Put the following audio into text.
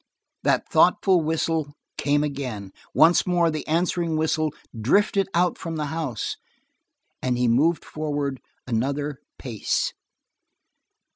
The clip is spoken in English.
That thoughtful whistle came again: once more the answering whistle drifted out from the house; and he moved forward another pace.